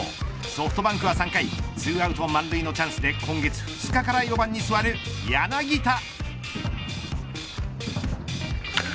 ソフトバンクは３回２アウト満塁のチャンスで今月２日から４番に座る柳田。